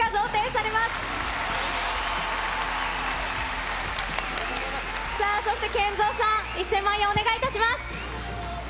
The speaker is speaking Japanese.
さあ、そしてＫＥＮＺＯさん、１０００万円お願いいたします。